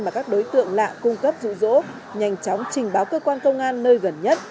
mà các đối tượng lạ cung cấp dụ dỗ nhanh chóng trình báo cơ quan công an nơi gần nhất